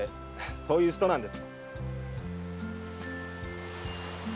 そういう人です。